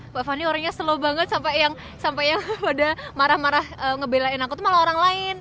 mbak fani orangnya selo banget sampai yang pada marah marah ngebelain aku tuh malah orang lain